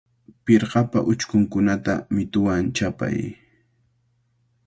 Pirqapa uchkunkunata mituwan chapay.